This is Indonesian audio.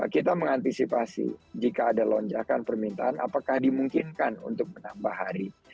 kita mengantisipasi jika ada lonjakan permintaan apakah dimungkinkan untuk menambah hari